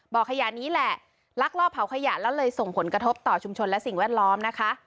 บ่อขยะนี้แหละลักลอบเผาขยะแล้วเลยส่งผลกระทบต่อชุมชนและสิ่งแวดล้อมนะคะ